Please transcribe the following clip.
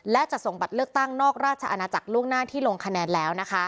และจะส่งบัตรเลือกตั้งนอกราชอาณาจักรล่วงหน้าที่ลงคะแนนแล้ว